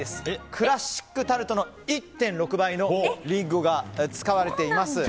クラシックタルトの１．６倍のリンゴが使われています。